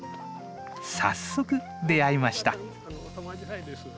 早速出会いました。